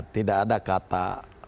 tidak ada kata